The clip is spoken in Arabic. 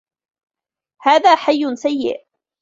هذا حي سيء.